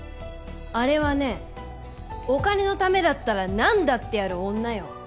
あれはねお金のためだったら何だってやる女よ。